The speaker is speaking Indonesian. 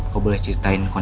kok boleh ceritain